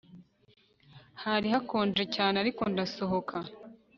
Hari hakonje cyane ariko ndasohoka